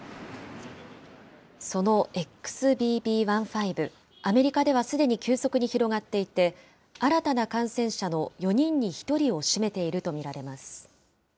そのＸＢＢ．１．５、アメリカではすでに急速に広がっていて、新たな感染者の４人に１人を占めていると見られます。